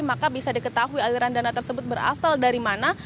maka bisa diketahui aliran dana tersebut berasal dari mana